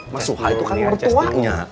masuha itu kan mertuanya